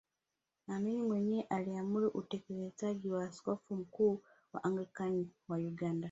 Amin mwenyewe aliamuru utekelezaji wa Askofu Mkuu wa Anglican wa Uganda